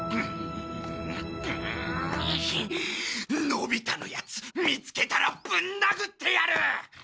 のび太のやつ見つけたらぶん殴ってやる！